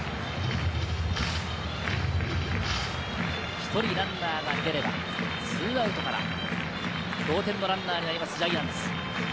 １人ランナーが出れば２アウトから同点のランナーになります、ジャイアンツ。